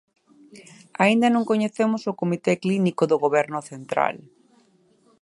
Aínda non coñecemos o comité clínico do Goberno central.